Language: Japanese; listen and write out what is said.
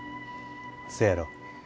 せやろ。